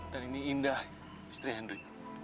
dan ini indah istri henry